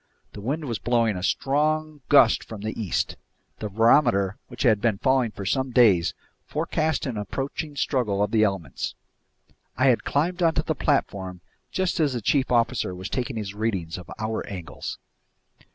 The wind was blowing a strong gust from the east. The barometer, which had been falling for some days, forecast an approaching struggle of the elements. I had climbed onto the platform just as the chief officer was taking his readings of hour angles.